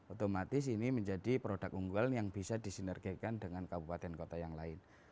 otomatis ini menjadi produk unggul yang bisa disinergikan dengan kabupaten kota yang lain